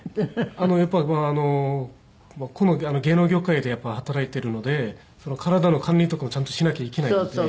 やっぱりこの芸能業界で働いてるので体の管理とかもちゃんとしなきゃいけないんで。